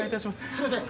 すいません。